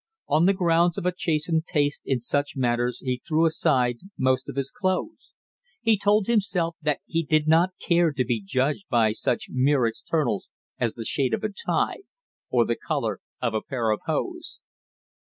On the grounds of a chastened taste in such matters he threw aside most of his clothes; he told himself that he did not care to be judged by such mere externals as the shade of a tie or the color of a pair of hose.